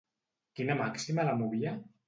Quina màxima la movia?